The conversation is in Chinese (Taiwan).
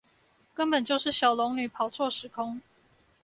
根本就是小龍女跑錯時空